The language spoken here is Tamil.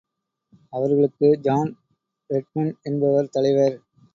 அவர்களுக்கு ஜான் ரெட்மெண்டு என்பவர் தலைவர்.